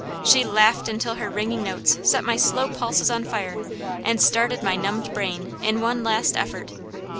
She laughed until her ringing notes set my slow pulses on fire, and started my numbed brain in one last effort.